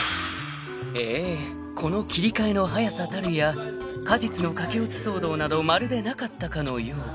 ［ええこの切り替えの早さたるや過日の駆け落ち騒動などまるでなかったかのよう］